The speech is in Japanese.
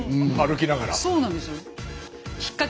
そうなんですよ。